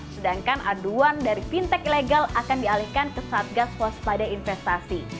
sedangkan aduan dari fintech ilegal akan dialihkan ke satgas waspada investasi